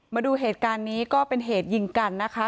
มาดูเหตุการณ์นี้ก็เป็นเหตุยิงกันนะคะ